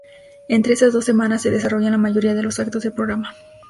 Entre esas dos semanas se desarrollan la mayoría de los actos del programa.